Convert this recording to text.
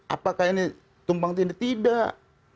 apakah ini tumpang tindih tidak